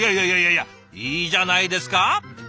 いやいやいやいいじゃないですか。